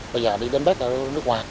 bây giờ đi đến bếp ở nước ngoài